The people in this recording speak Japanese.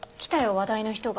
話題の人が。